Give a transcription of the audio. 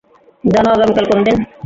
জানো আগামীকাল কোন দিন?